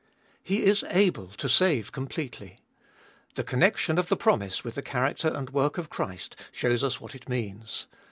He is able to save completely. The connection of the promise with the character and work of Christ shows us what it means.